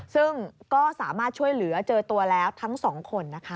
ซึ่งก็สามารถช่วยเหลือเจอตัวแล้วทั้งสองคนนะคะ